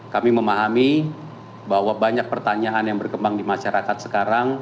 kami memahami bahwa banyak pertanyaan yang berkembang di masyarakat sekarang